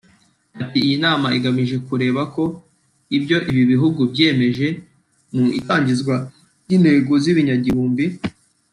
Ati “Iyi nama igamije kureba ko ibyo ibi bihugu byiyemeje mu itangizwa ry’intego z’ikinyagihumbi